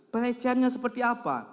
perhaciannya seperti apa